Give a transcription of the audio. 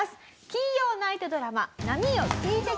金曜ナイトドラマ『波よ聞いてくれ』